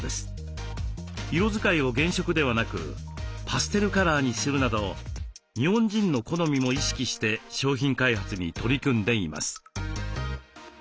色使いを原色ではなくパステルカラーにするなど日本人の好みも意識して商品開発に取り組んでいます。